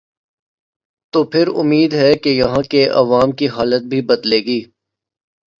توپھر امید ہے کہ یہاں کے عوام کی حالت بھی بدلے گی۔